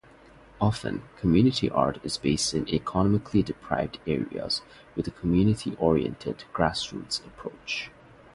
Often community art is based in economically deprived areas, with a community-oriented, grassroots approach.